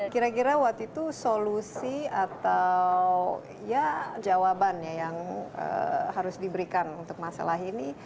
kira kira waktu itu solusi atau ya jawaban yang harus diberikan untuk masalah ini